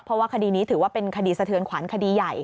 เพราะว่าคดีนี้ถือว่าเป็นคดีสะเทือนขวัญคดีใหญ่